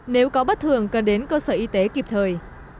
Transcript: nếu có bất thường cần đến cơ sở y tế kịp thời